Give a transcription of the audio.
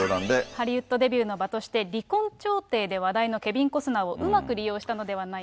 ハリウッドデビューの場として離婚調停で話題のケビン・コスナーをうまく利用したのではないか。